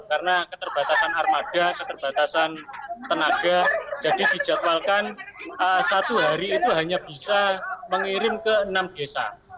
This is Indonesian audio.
karena keterbatasan armada keterbatasan tenaga jadi dijadwalkan satu hari itu hanya bisa mengirim ke enam desa